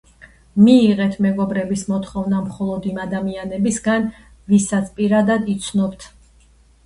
მიიღეთ მეგობრების მოთხოვნა მხოლოდ, იმ ადამიანებისგან, ვისაც პირადად იცნობთ.